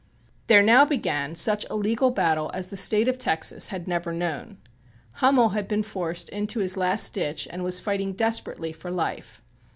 There now began such a legal battle as the State of Texas had never known. Hummel had been forced into his last ditch and was fighting desperately for life.